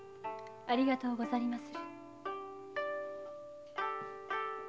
ありがとうございます。